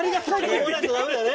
思わないとだめだね。